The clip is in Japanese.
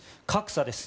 格差です。